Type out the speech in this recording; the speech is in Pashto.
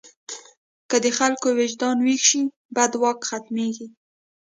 که د خلکو وجدان ویښ شي، بد واک ختمېږي.